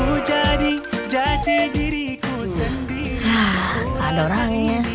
gak ada orangnya